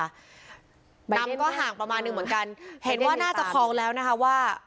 น้ำก็ห่างประมาณหนึ่งเหมือนกันเห็นว่าน่าจะคลองแล้วนะคะว่า